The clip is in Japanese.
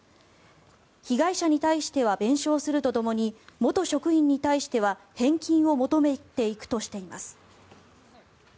被害者に対しては弁償するとともに元職員に対しては返金を求めていくとしています。